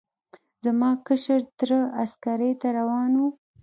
زما کشر تره عسکرۍ ته روان و.